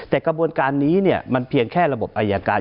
แต่กระบวนการนี้มันเพียงแค่ระบบอายการ